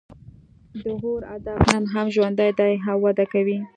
د غور ادب نن هم ژوندی دی او وده کوي